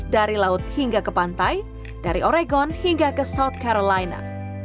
dari laut hingga ke pantai dari oregon hingga ke south carolina